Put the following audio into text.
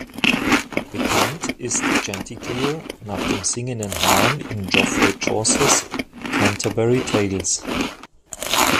Benannt ist Chanticleer nach dem singenden Hahn in Geoffrey Chaucers "Canterbury Tales".